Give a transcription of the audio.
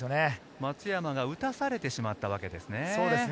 松山が打たされてしまったわけですね。